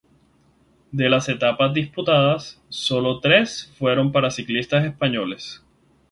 De las etapas disputadas, sólo tres fueron para ciclistas españoles.